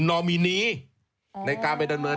นอมินีในกรรมเนิน